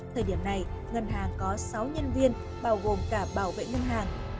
thời điểm này ngân hàng có sáu nhân viên bao gồm cả bảo vệ ngân hàng